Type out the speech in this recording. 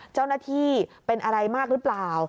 เจ้าหน้าที่เป็นอะไรมากหรือเปล่า